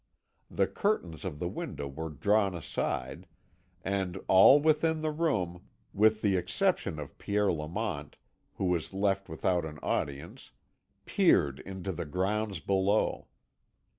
The curtains of the window were drawn aside, and all within the room, with the exception of Pierre Lamont, who was left without an audience, peered into the grounds below.